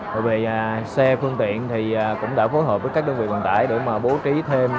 bởi vì xe phương tiện thì cũng đã phối hợp với các đơn vị vận tải để mà bố trí thêm